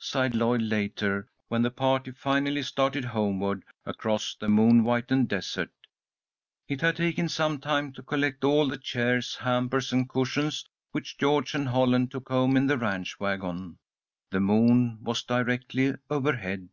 sighed Lloyd, later, when the party finally started homeward across the moon whitened desert. It had taken some time to collect all the chairs, hampers, and cushions which George and Holland took home in the ranch wagon. The moon was directly overhead.